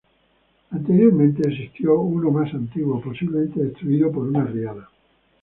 Anteriormente existió uno más antiguo, posiblemente destruido por una riada.